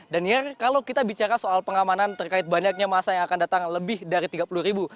daniar kalau kita bicara soal pengamanan terkait banyaknya masa yang akan datang lebih dari tiga puluh ribu